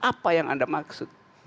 apa yang anda maksud